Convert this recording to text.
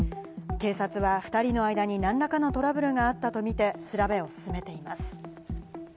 警察は２人の間に何らかのトラブルがあったとみて調べを進めています。